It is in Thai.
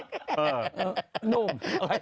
หนุ่ม